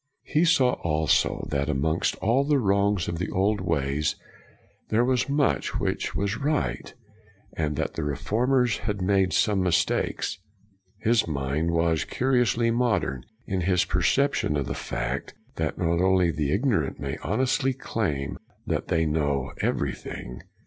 He saw also that amongst all the wrongs of the old ways there was much which was right; and that the reformers had made some mistakes. His mind was curiously modern in his perception of the fact that only the ignorant may honestly claim that they know everything.